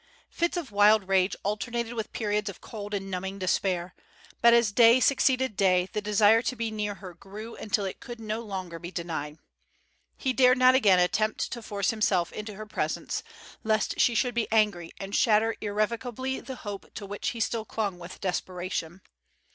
Fits of wild rage alternated with periods of cold and numbing despair, but as day succeeded day the desire to be near her grew until it could no longer be denied. He dared not again attempt to force himself into her presence, lest she should be angry and shatter irrevocably the hope to which he still clung with desperation.